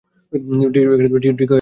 ঠিক হয়ে যাবে।